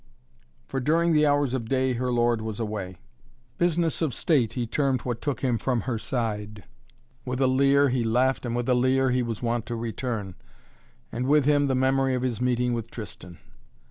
For during the hours of day her lord was away. Business of state he termed what took him from her side. With a leer he left and with a leer he was wont to return. And with him the memory of his meeting with Tristan!